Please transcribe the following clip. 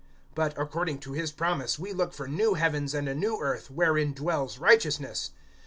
(13)But, according to his promise, we look for new heavens and a new earth, wherein dwells righteousness.